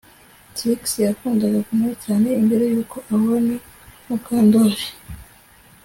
Trix yakundaga kunywa cyane mbere yuko ahura na Mukandoli